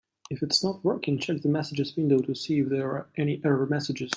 If it's not working, check the messages window to see if there are any error messages.